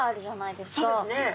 そうですね。